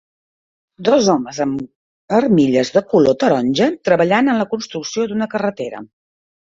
Dos homes amb armilles de color taronja treballant en la construcció d'una carretera.